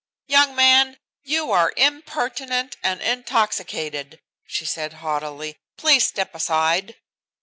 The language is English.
"Young man, you are impertinent and intoxicated," she said haughtily. "Please step aside."